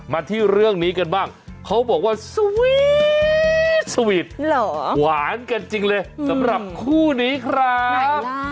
มาที่เรื่องนี้กันบ้างเขาบอกว่าสวยสวิทย์หวานกันจริงเลยสำหรับคู่นี้ครับ